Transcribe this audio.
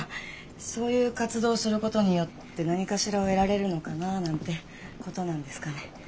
そういう活動をすることによって何かしらを得られるのかななんてことなんですかね。